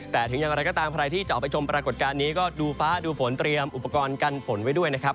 แต่ถึงอย่างไรก็ตามใครที่จะออกไปชมปรากฏการณ์นี้ก็ดูฟ้าดูฝนเตรียมอุปกรณ์กันฝนไว้ด้วยนะครับ